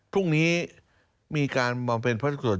พรุ่งนี้มีการบำเพ็ญพระราชกุฎ